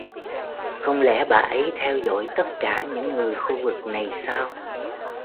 Không lẽ bà ấy theo dõi tất cả những người khu vực này sao